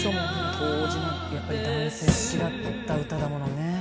当時のやっぱり男性好きだった歌だものね。